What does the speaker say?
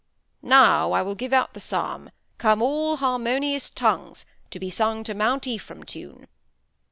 "Now, I will give out the psalm, 'Come all harmonious tongues', to be sung to 'Mount Ephraim' tune."